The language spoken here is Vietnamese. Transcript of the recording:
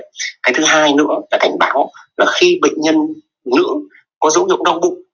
cái thứ hai nữa là cảnh báo là khi bệnh nhân có dấu hiệu đau bụng